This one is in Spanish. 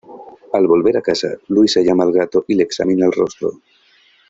Al volver a casa Louisa llama al gato y le examina el rostro.